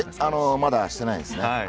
まだしてないです。